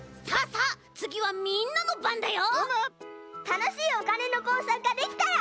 たのしいおかねのこうさくができたら。